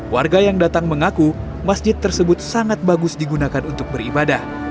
warga yang datang mengaku masjid tersebut sangat bagus digunakan untuk beribadah